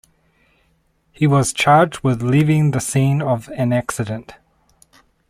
He was charged with leaving the scene of an accident.